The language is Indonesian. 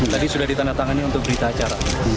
tadi sudah ditandatangani untuk berita acara